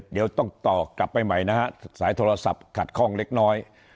เดี๋ยวต้องต่อกลับไปใหม่นะฮะสายโทรศัพท์ขัดข้องเล็กน้อย